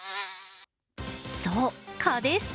そう、蚊です。